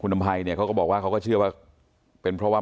อำภัยเนี่ยเขาก็บอกว่าเขาก็เชื่อว่าเป็นเพราะว่า